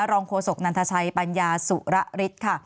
โฆษกนันทชัยปัญญาสุระฤทธิ์ค่ะ